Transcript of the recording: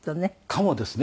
かもですね。